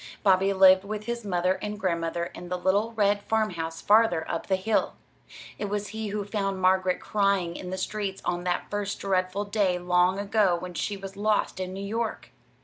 Bobby lived with his mother and grandmother in the little red farmhouse farther up the hill. It was he who had found Margaret crying in the streets on that first dreadful day long ago when she was lost in New York.